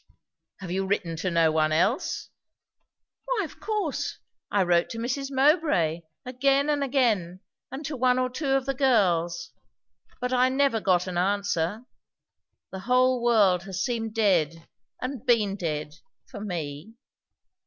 "Have you written to no one else?" "Why of course! I wrote to Mrs. Mowbray, again and again; and to one or two of the girls; but I never got an answer. The whole world has seemed dead, and been dead, for me."